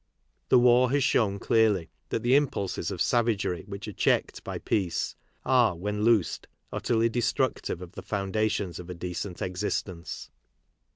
The war has shown clearly that the impulses of savagery which are checked by peace are, when loosed, utterly destructive of the foundations of a decent existence.